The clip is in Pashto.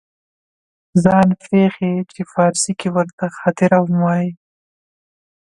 ځان پېښې چې فارسي کې ورته خاطره هم وایي